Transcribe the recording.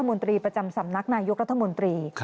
นตรีประจำสำนักนายกรัฐมนตรี